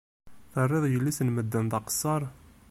Terriḍ yelli-s n medden d aqessar.